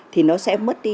thì nó sẽ mất